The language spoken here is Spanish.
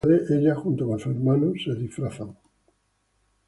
Mientras se esconden de las autoridades, ella, junto con sus hermanos, se disfrazan.